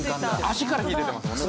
足から火が出てますもんね。